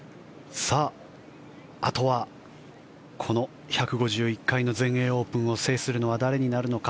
あとはこの１５１回の全英オープンを制するのは誰になるのか。